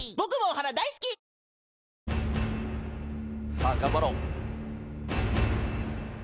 さあ頑張ろう。